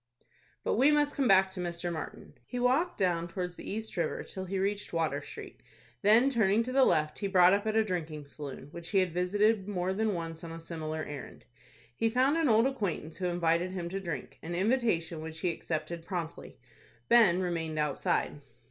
But we must come back to Mr. Martin. He walked down towards the East River till he reached Water Street, then turning to the left, he brought up at a drinking saloon, which he had visited more than once on a similar errand. He found an old acquaintance who invited him to drink,—an invitation which he accepted promptly. Ben remained outside.